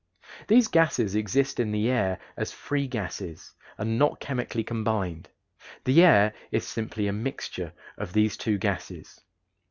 These gases exist in the air as free gases and not chemically combined. The air is simply a mixture of these two gases.